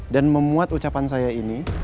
dan memuat ucapan saya ini